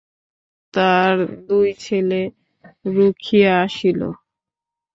তার দুই ছেলে রুখিয়া আসিল।